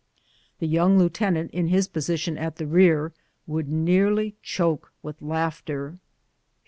The young lieutenant in his position at the rear would near ly choke with laughter.